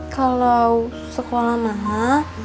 kalau sekolah maha